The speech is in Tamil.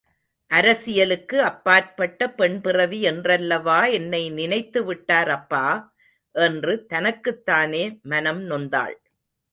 அரசியலுக்கு அப்பாற்பட்ட பெண் பிறவி என்றல்லவா என்னை நினைத்து விட்டார் அப்பா! என்று தனக்குத்தானே மனம் நொந்தாள்.